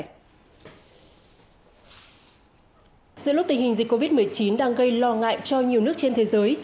giữa lúc tình hình dịch covid một mươi chín đang gây lo ngại cho nhiều nước trên thế giới